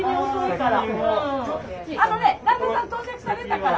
あのね旦那さん到着されたから。